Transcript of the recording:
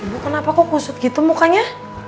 bu kenapa kok kusut gitu mukanya